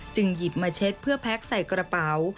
หยิบมาเช็ดเพื่อแพ็คใส่กระเป๋า